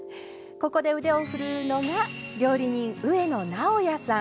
ここで腕を振るうのが料理人上野直哉さん。